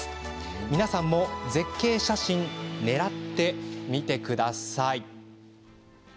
皆さんも絶景写真狙ってみてください。